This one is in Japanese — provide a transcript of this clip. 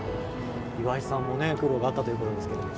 岩井さんも苦労があったということですが。